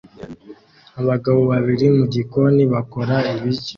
Abagabo babiri mu gikoni bakora ibiryo